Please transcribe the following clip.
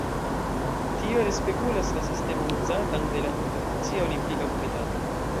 Tio respegulas la sistemon uzatan de la Internacia Olimpika Komitato.